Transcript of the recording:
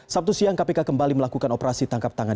sabtu siang kpk kembali melakukan operasi tangkap tangan